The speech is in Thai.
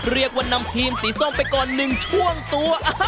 เรียกว่านำทีมสีส้มไปก่อน๑ช่วงตัว